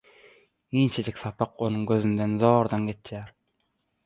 Inçejik sapak onuň gözünden zordan geçýär.